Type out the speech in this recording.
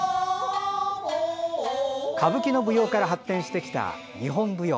歌舞伎の舞踊から発展してきた日本舞踊。